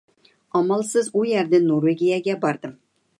ئامالسىز ئۇ يەردىن نورۋېگىيەگە باردىم.